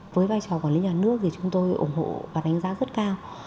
với vai trò quản lý nhà nước thì chúng tôi ủng hộ và đánh giá rất cao